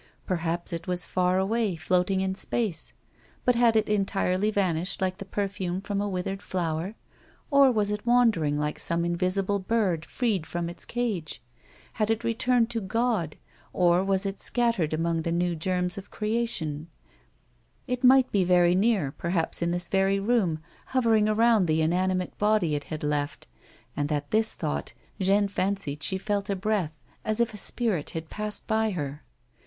Perhaps it was far away, floating in space. But had it entirely vanished like the per fume from a withered flower, or was it wandering like some invisible bird freed from its cage 1 Had it returned to God, or was it scattered among the new germs of creation 1 It might be very near ; perhaps in this very room, hovering around the inanimate body it had left, and at this thought Jeanne fancied she felt a breath, as if a spirit had passed by her.